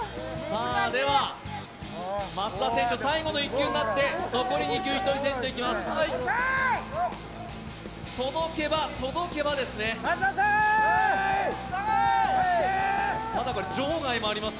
では、松田選手、最後の１球になって残り２球、糸井選手でいきます。